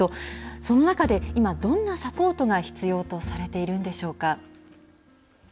その中で、今、どんなサポートが必要とされているんでしょうか。